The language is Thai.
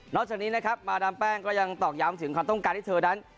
จากนี้นะครับมาดามแป้งก็ยังตอกย้ำถึงความต้องการที่เธอนั้น